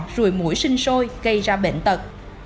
rùi mũi sinh sôi gây ra bệnh tật